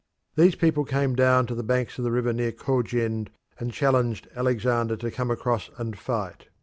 These people came down to the banks of the river near Khojend and challenged Alexander to come across and fight.